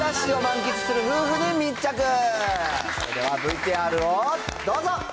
それではＶＴＲをどうぞ。